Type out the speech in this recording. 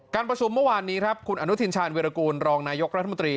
ประชุมเมื่อวานนี้ครับคุณอนุทินชาญวิรากูลรองนายกรัฐมนตรี